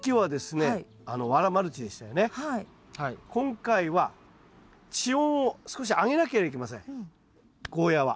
今回は地温を少し上げなければいけませんゴーヤーは。